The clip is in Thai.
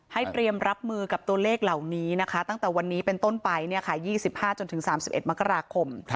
เตรียมรับมือกับตัวเลขเหล่านี้นะคะตั้งแต่วันนี้เป็นต้นไป๒๕จนถึง๓๑มกราคม